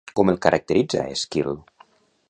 Com el caracteritza Èsquil?